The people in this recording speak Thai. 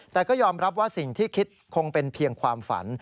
แต่ก็ยอมรับว่าสิ่งที่คิดคงเป็นเพียงความฝัน